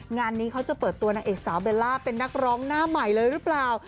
งานนี้เขาจะเปิดตัวนางเอกสาวเบลล่าเป็นนักร้องหน้าใหม่เลยหรือเปล่า